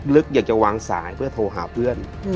อยากจะวางสายเพื่อโทรหาเพื่อน